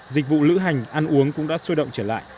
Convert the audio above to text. dịch vụ lữ hành ăn uống cũng đã sôi động trở lại